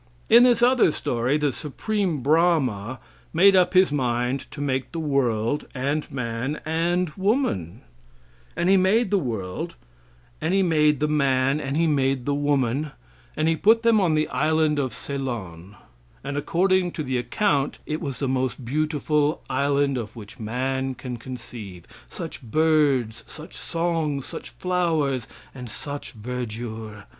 In this other story the Supreme Brahma made up his mind to make the world and man and woman; and he made the world, and he made the man and he made the woman, and he put them on the island of Ceylon; and according to the account, it was the most beautiful island of which man can conceive. Such birds, such songs, such flowers and such verdure!